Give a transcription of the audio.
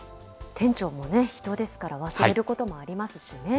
店長もね、人ですから、忘れることもありますしね。